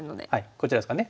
こちらですかね。